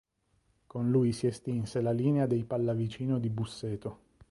Con lui si estinse la linea dei Pallavicino di Busseto.